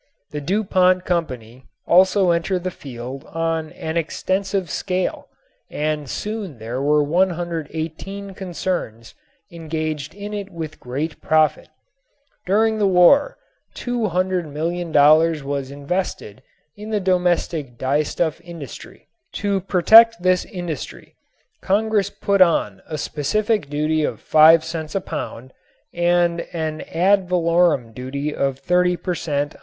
The Du Pont Company also entered the field on an extensive scale and soon there were 118 concerns engaged in it with great profit. During the war $200,000,000 was invested in the domestic dyestuff industry. To protect this industry Congress put on a specific duty of five cents a pound and an ad valorem duty of 30 per cent.